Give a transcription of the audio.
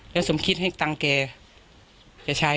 แล้วสมฆิร์ตให้กายตังน์แกจะใช้